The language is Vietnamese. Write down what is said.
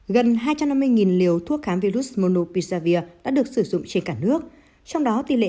gần hai trăm năm mươi liều thuốc kháng virus mono pisavir đã được sử dụng trên cả nước trong đó tỷ lệ